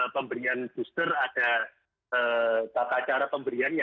pemberian booster ada tata cara pemberiannya